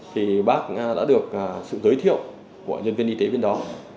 thì bác đã được sự giới thiệu của nhân viên y tế bên đó